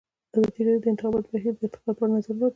ازادي راډیو د د انتخاباتو بهیر د ارتقا لپاره نظرونه راټول کړي.